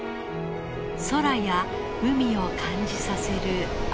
空や海を感じさせる青。